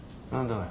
おい。